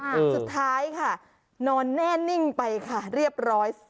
สุดท้ายค่ะนอนแน่นิ่งไปค่ะเรียบร้อย